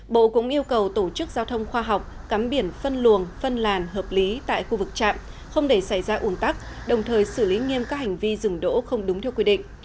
bộ cũng yêu cầu tổ chức giao thông khoa học cắm biển phân luồng phân làn hợp lý tại khu vực trạm không để xảy ra ủn tắc đồng thời xử lý nghiêm các hành vi dừng đỗ không đúng theo quy định